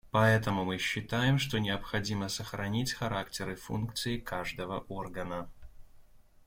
Поэтому мы считаем, что необходимо сохранить характер и функции каждого органа.